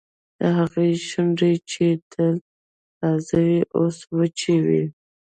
د هغې شونډې چې تل تازه وې اوس وچې وې